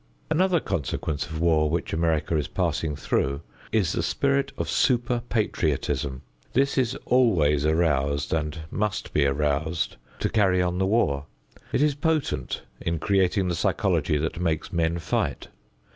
Another consequence of war which America is passing through is the spirit of super patriotism. This is always aroused and must be aroused to carry on the war. It is potent in creating the psychology that makes men fight.